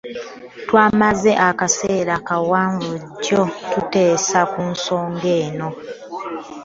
Twamaze akaseera kawanvu jjo tuteesa ku nsonga eno.